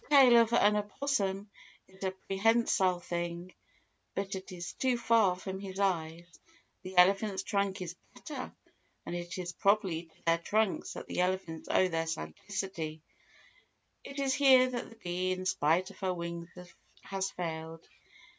The tail of an opossum is a prehensile thing, but it is too far from his eyes—the elephant's trunk is better, and it is probably to their trunks that the elephants owe their sagacity. It is here that the bee in spite of her wings has failed.